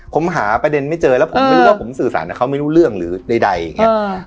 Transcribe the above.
ผมหาประเด็นไม่เจอแล้วผมไม่รู้ว่าผมสื่อสารกับเขาไม่รู้เรื่องหรือใดอย่างนี้